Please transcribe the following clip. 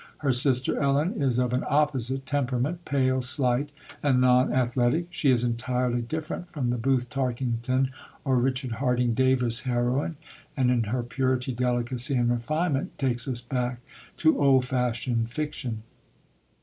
Her sister Ellen is of an opposite temperament, pale, slight, and non athletic. She is entirely different from the Booth Tarkington or Richard Harding Davis heroine, and in her purity, delicacy, and refinement, takes us back to old fashioned fiction.